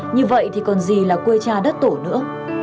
như vậy thì còn gì là quê cha đất tổ nữa